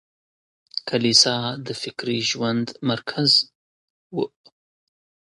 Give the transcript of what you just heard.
کليسا د فکري ژوند مرکز و.